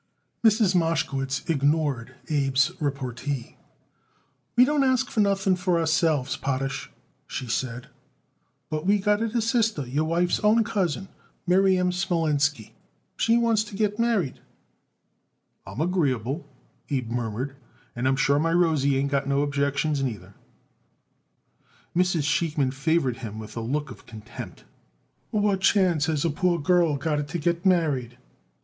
Mrs. Mashkowitz ignored Abe's repartee. "We don't ask nothing for ourselves, Potash," she said, "but we got it a sister, your wife's own cousin, Miriam Smolinski. She wants to get married." "I'm agreeable," Abe murmured, "and I'm sure my Rosie ain't got no objections neither." Mrs. Sheikman favored him with a look of contempt. "What chance has a poor girl got it to get married?"